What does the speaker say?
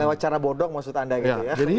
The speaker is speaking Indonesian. lewat cara bodong maksud anda gitu ya